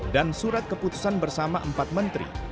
dan surat keputusan bersama empat menteri